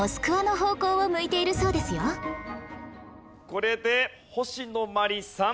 これで星野真里さん